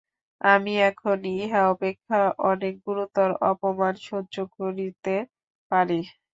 আমি এখন ইহা অপেক্ষা অনেক গুরুতর অপমান সহ্য করিতে পারি।